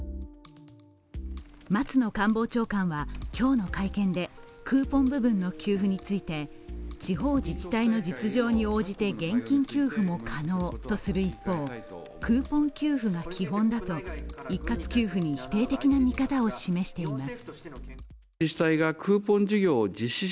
松野官房長官は今日の会見でクーポン部分の給付について地方自治体の実情に応じて現金給付も可能とする一方、クーポン給付が基本だと一括給付に否定的な見方を示しています。